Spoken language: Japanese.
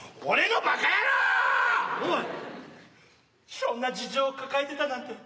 しょんな事情を抱えてたなんて。